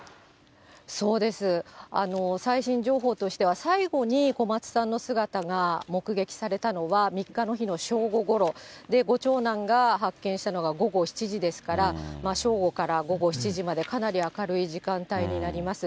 最新情報としては、最後に小松さんの姿が目撃されたのは、３日の日の正午ごろ、ご長男が発見したのが午後７時ですから、正午から午後７時まで、かなり明るい時間帯になります。